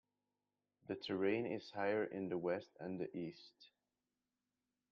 The terrain is higher in the west and the east.